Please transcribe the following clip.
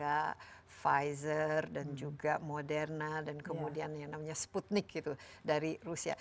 ada pfizer dan juga moderna dan kemudian yang namanya sputnik gitu dari rusia